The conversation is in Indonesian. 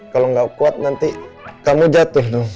kalau gak kuat nanti kamu jatuh dong